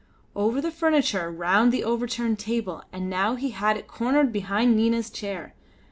Over the furniture, round the overturned table, and now he had it cornered behind Nina's chair.